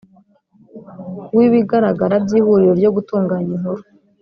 w ibigaragara by ihuriro ryo gutunganya inkuru